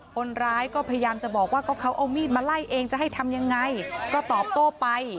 คนร้ายก็พยายามจะบอกว่าก็เขาเอามีดมาไล่เองจะให้ทำยังไงก็ตอบโต้ไป